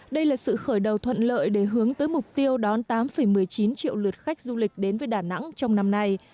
đây là sự khởi đầu thuận lợi để hướng tới mục tiêu đón tám một mươi chín triệu lượt khách du lịch đến với đà nẵng trong năm nay